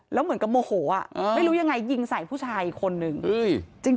แล้วเหมือนกับโมโหไม่รู้ยังไงยิงใส่ผู้ชายอีกคนนึง